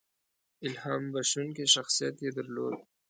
• الهام بښونکی شخصیت یې درلود.